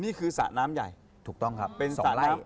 นี้คือสระน้ำใหญ่ถูกต้องครับ๒ไร่เป็นสระน้ำ